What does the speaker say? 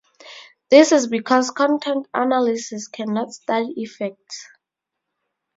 This is because content analysis cannot study effects.